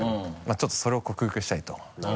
ちょっとそれを克服したいと。